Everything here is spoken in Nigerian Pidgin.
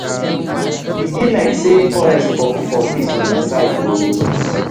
E bi layk say forest boku for dis una side oo?